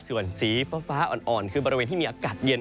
ส่วนสีฟ้าอ่อนคือบริเวณที่มีอากาศเย็น